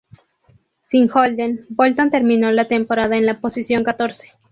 Sin Holden, Bolton terminó la temporada en la posición catorce.